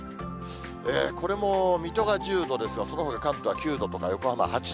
これも水戸が１０度ですが、そのほか関東は９度とか、横浜８度。